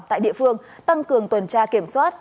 tại địa phương tăng cường tuần tra kiểm soát